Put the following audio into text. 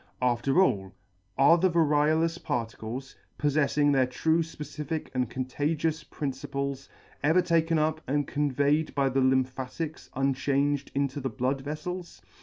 After all, are the variolous particles, poflefting their true fpecific and con tagious principles, ever taken up and conveyed by the lym phatics unchanged into the blood veftels